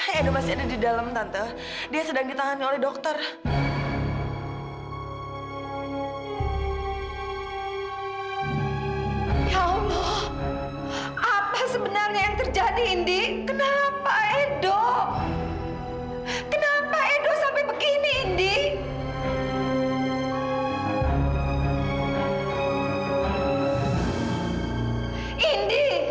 cerita sama tante apa yang terjadi sama edo indi